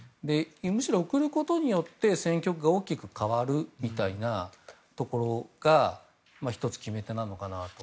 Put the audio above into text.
むしろ送ることによって戦局が大きく変わるみたいなところが１つ決め手なのかなと。